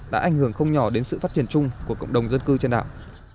đã ảnh hưởng không nhỏ đến sự phát triển chung của cộng đồng dân cư trên đảo